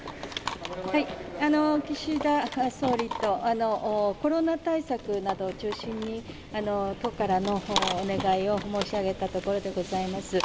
岸田総理とコロナ対策などを中心に、都からのお願いを申し上げたところでございます。